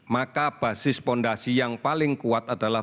maka basis fondasi yang paling kuat adalah